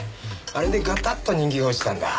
あれでガタッと人気が落ちたんだ。